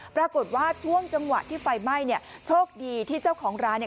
ปรากฏว่าช่วงจังหวะที่ไฟไหม้เนี่ยโชคดีที่เจ้าของร้านเนี่ย